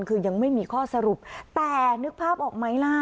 คือยังไม่มีข้อสรุปแต่นึกภาพออกไหมล่ะ